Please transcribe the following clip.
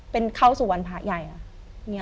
เป็นเข้าสู่วันพระใหญ่ค่ะ